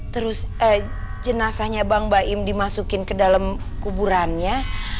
terus jenazahnya bang baim dimasukin ke dalam kuburannya